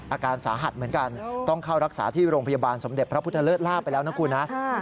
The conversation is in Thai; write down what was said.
อาการสาหัสเหมือนกันต้องเข้ารักษาที่โรงพยาบาลสมเด็จพระพุทธเลิศลาบไปแล้วนะคุณนะ